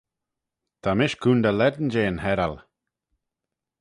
Ta mish coontey lane jeh'n Heral.